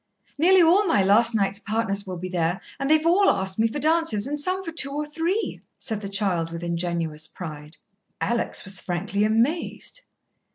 "Nearly all my last night's partners will be there, and they've all asked me for dances, and some for two or three," said the child with ingenuous pride. Alex was frankly amazed.